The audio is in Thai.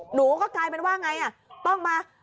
หนูก็กลายเป็นว่าไงต้องมา